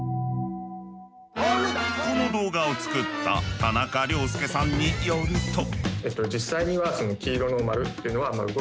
この動画を作った田中涼介さんによると。